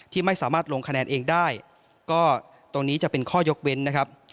ที่ไม่สามารถลงคะแนนเองได้ก็ตรงนี้จะเป็นข้อยกเว้นนะครับ